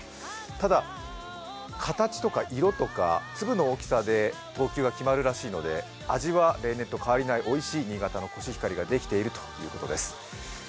ただ、形とか色とか粒の大きさで投球が決まるらしいので味は例年と変わりない、おいしい新潟のコシヒカリができているということです。